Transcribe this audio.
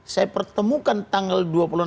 saya pertemukan tanggal dua puluh enam